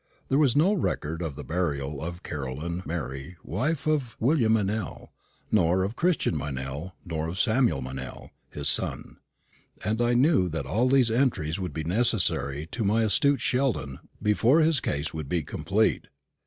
There was no record of the burial of Caroline Mary, wife of William Meynell, nor of Christian Meynell, nor of Samuel Meynell, his son; and I knew that all these entries would be necessary to my astute Sheldon before his case would be complete.